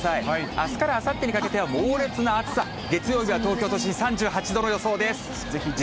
あすからあさってにかけては、猛烈な暑さ、月曜日は東京都心３８度の予想です。